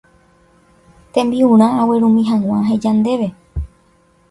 tembi'urã aguerumi hag̃ua aheja ndéve